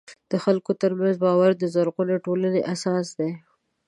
د خلکو ترمنځ باور د زرغونې ټولنې اساس دی.